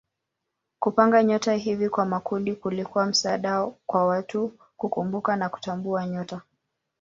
Kupanga nyota hivi kwa makundi kulikuwa msaada kwa watu kukumbuka na kutambua nyota.